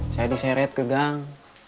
saya diseret gegang